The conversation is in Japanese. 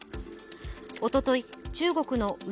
おととい、中国の内